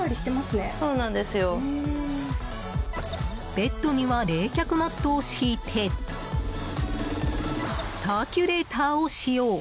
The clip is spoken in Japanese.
ベッドには冷却マットを敷いてサーキュレーターを使用。